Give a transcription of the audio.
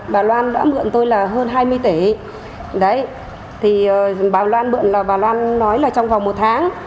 bà loan đã mượn tôi là hơn hai mươi tể bà loan nói là trong vòng một tháng